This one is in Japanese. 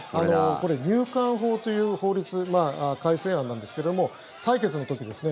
これ、入管法という法律改正案なんですけども採決の時ですね